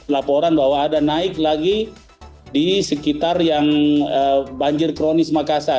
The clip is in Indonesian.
laporan bahwa ada naik lagi di sekitar yang banjir kronis makassar